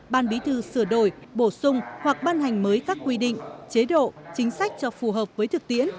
ban bí thư sửa đổi bổ sung hoặc ban hành mới các quy định chế độ chính sách cho phù hợp với thực tiễn